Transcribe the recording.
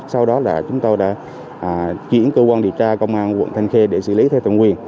sau đó là chúng tôi đã chuyển cơ quan điều tra công an quận thanh khê để xử lý theo tổng quyền